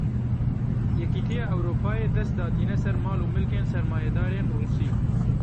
Yekîtiya Ewropayê dest datîne ser mal û milkên sermayedarên Rûsî.